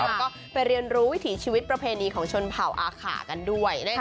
แล้วก็ไปเรียนรู้วิถีชีวิตประเพณีของชนเผ่าอาขากันด้วยนะคะ